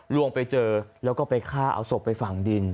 วงไปเจอแล้วก็ไปฆ่าเอาศพไปฝังดิน